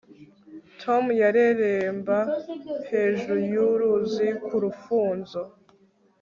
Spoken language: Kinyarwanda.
Tom yareremba hejuru yuruzi ku rufunzo